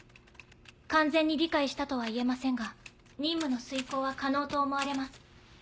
完全に理解したとはいえませんが任務の遂行は可能と思われます。